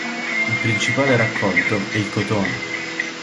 Il principale raccolto è il cotone.